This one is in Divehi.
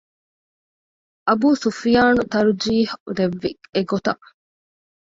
އަބޫސުފްޔާނު ތަރްޖީޙު ދެއްވީ އެގޮތަށް